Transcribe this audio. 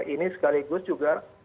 ini sekaligus juga